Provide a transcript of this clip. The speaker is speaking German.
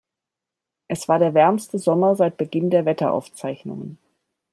Es war der wärmste Sommer seit Beginn der Wetteraufzeichnungen.